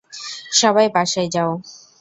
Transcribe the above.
সবাই বাসায় যাও!